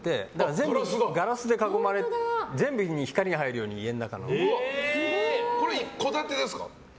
全部ガラスに囲まれて全部に光が入るようにこれ、一戸建てですか？